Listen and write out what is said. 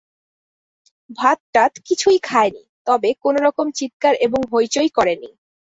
ভাত-টাত কিছুই খায় নি, তবে কোনো রকম চিৎকার এবং হৈচৈ করে নি।